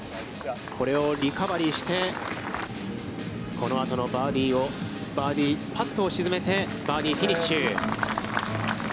これをリカバリーして、この後のバーディーをバーディーパットを沈めて、バーディーフィニッシュ。